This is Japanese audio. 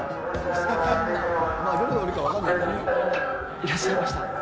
いらっしゃいました。